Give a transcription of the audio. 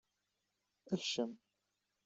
Ekcem!